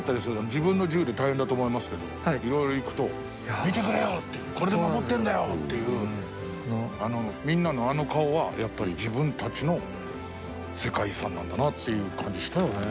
自分の銃で大変だと思いますけどいろいろ行くと「見てくれよ！」っていう「これで守ってるんだよ！」っていうみんなのあの顔はやっぱり自分たちの世界遺産なんだなっていう感じしたよね。